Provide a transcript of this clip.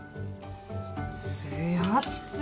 つやっつや！